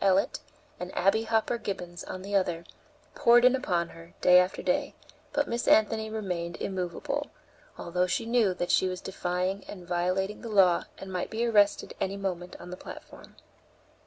Ellet, and Abby Hopper Gibbons, on the other, poured in upon her, day after day; but Miss Anthony remained immovable, although she knew that she was defying and violating the law and might be arrested any moment on the platform.